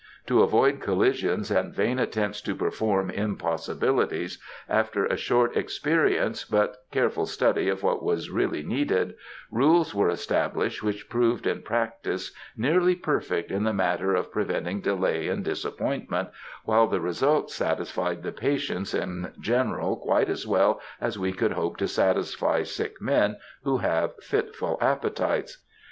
To avoid collisions, and vain attempts to perform impossibilities, after a short experience, but careful study of what was really needed, rules were established which proved in practice nearly perfect in the matter of preventing delay and disappointment, while the result satisfied the patients in general quite as well as we can hope to satisfy sick men who have fitful appetites.